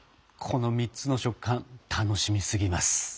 この３つの食感楽しみすぎます！